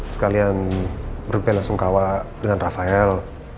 sekalian berdupia langsung kawak dengan rafael